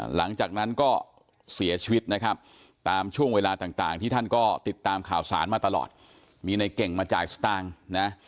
หลังจากนั้นก็เสียชีวิตนะครับตามช่วงเวลาต่างที่ท่านก็ติดตามข่าวสารมาตลอดมีในเก่งมาจ่ายสตางค์นะ